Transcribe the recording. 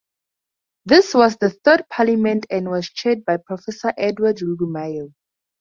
This was the Third Parliament and was chaired by Professor Edward Rugumayo.